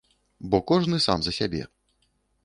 Бо кожны сам за сябе.